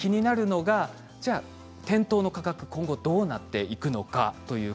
気になるのは店頭の価格が今後どうなっていくのか。